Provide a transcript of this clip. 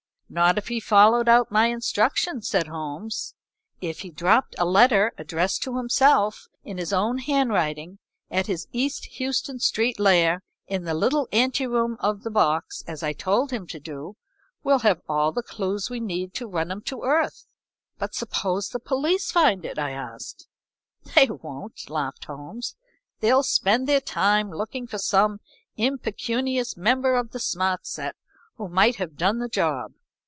"Not if he followed out my instructions," said Holmes. "If he dropped a letter addressed to himself in his own hand writing at his East Houston Street lair, in the little anteroom of the box, as I told him to do, we'll have all the clews we need to run him to earth." "But suppose the police find it?" I asked. "They won't," laughed Holmes. "They'll spend their time looking for some impecunious member of the smart set who might have done the job.